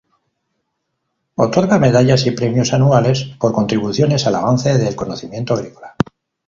Otorga medallas y premios anuales por contribuciones al avance del conocimiento agrícola.